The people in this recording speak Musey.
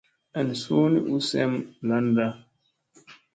An suu ni u sem landa.